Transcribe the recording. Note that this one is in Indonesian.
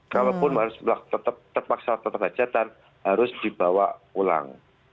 kalaupun harus tetap terpaksa tetap hajatan harus dibawa pulang